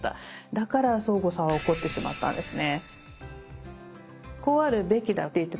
だからそーごさんは怒ってしまったんですね。